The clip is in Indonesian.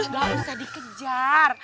gak usah dikejar